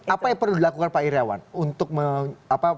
apa yang perlu dilakukan pak iryawan untuk